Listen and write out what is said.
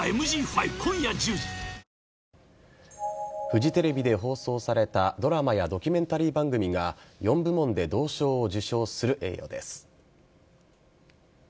フジテレビで放送されたドラマやドキュメンタリー番組が４部門で銅賞を受賞する栄誉です。